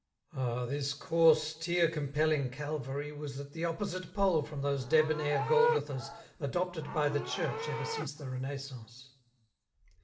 Ah, this coarse, tear compelling Calvary was at the opposite pole from those debonair Golgothas adopted by the Church ever since the Renaissance.